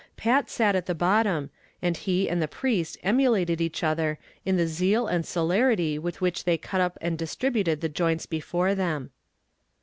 Pat sat at the bottom, and he and the priest emulated each other in the zeal and celerity with which they cut up and distributed the joints before them.